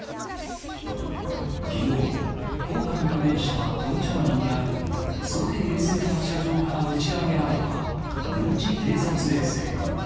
きのう、黄海に面したトンチャンリにあるソヘ衛星発射場から打ち上げられた軍事偵察衛星。